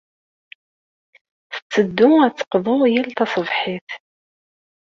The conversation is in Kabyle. Tetteddu ad d-teqḍu yal taṣebḥit.